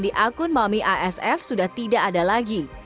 di akun mami asf sudah tidak ada lagi